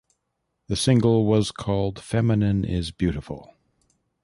The single was called "Feminine Is Beautiful".